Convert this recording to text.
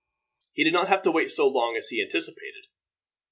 He did not have to wait so long as he anticipated.